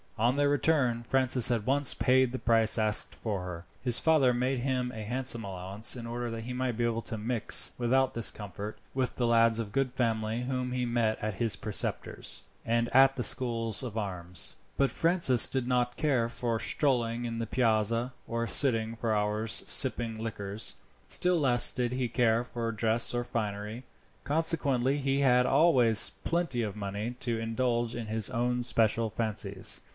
On their return Francis at once paid the price asked for her. His father made him a handsome allowance, in order that he might be able to mix, without discomfort, with the lads of good family whom he met at his preceptor's and at the schools of arms. But Francis did not care for strolling in the Piazza, or sitting for hours sipping liquors. Still less did he care for dress or finery. Consequently he had always plenty of money to indulge in his own special fancies.